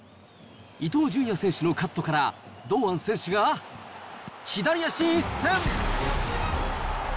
伊東純也選手のカットから、堂安選手が、左足一閃。